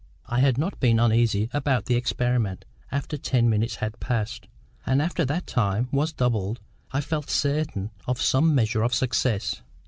I had not been uneasy about the experiment after ten minutes had passed, and after that time was doubled, I felt certain of some measure of success.